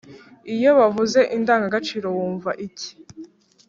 iyo bavuze indangagaciro, wumva iki